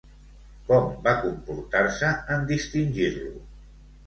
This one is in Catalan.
Com va comportar-se, en distingir-lo?